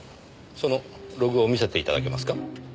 そのログを見せて頂けますか？